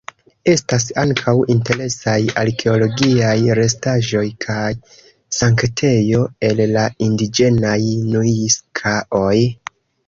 Estas ankaŭ interesaj arkeologiaj restaĵoj kaj sanktejo el la indiĝenaj mŭiska-oj.